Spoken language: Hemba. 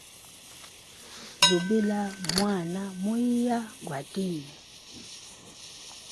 Zubila mwana, muhiya gwatine.